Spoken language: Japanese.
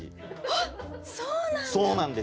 あっそうなんだ。